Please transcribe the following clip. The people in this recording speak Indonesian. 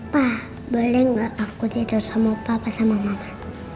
pak boleh gak aku tidur sama papa sama mama